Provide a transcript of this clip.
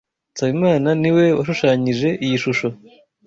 Nsabimana niwe washushanyije iyi shusho.